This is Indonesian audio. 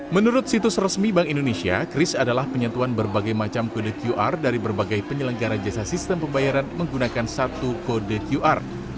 menurut situs resmi bank indonesia kris adalah penyatuan berbagai macam kode qr dari berbagai penyelenggara jasa sistem pembayaran menggunakan satu kode qr